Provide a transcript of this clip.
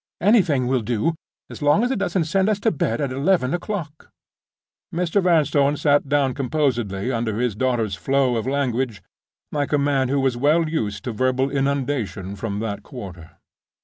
Anything will do, as long as it doesn't send us to bed at eleven o'clock." Mr. Vanstone sat down composedly under his daughter's flow of language, like a man who was well used to verbal inundation from that quarter.